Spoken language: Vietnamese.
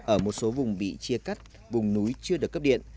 ở một số vùng bị chia cắt vùng núi chưa được cấp điện